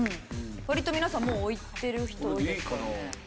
割と皆さんもう置いてる人多いですからね。